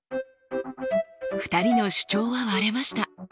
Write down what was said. ２人の主張は割れました。